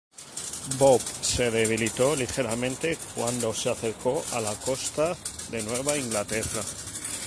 Bob se debilitó ligeramente cuando se acercó a la costa de Nueva Inglaterra.